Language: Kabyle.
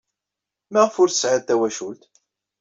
Maɣef ur tesɛiḍ tawacult?